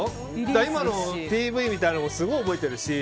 今のＰＶみたいなのもすごい覚えてるし。